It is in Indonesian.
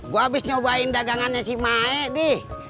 gue abis nyobain dagangannya si mae dih